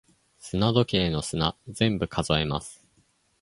砂時計の砂、全部数えます。